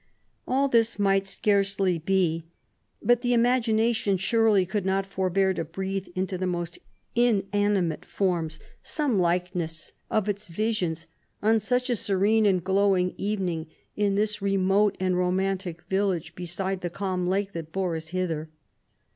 All diis might scarcely be ; but the imagination surely could not forbear to breathe into the most inanimate forms some likeness 112 of its own visions, on such a serene and glowing evening, in this remote and romantic village, beside the calm lake that bore us hither.